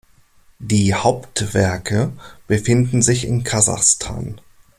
Die Hauptwerke befinden sich in Kasachstan.